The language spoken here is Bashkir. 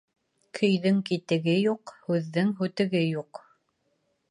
Көйҙөң китеге юҡ, һүҙҙең һүтеге юҡ.